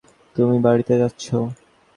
তুমি বাড়িতে যাচ্ছো।